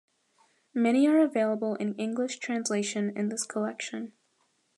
Many are available in English translation in this collection.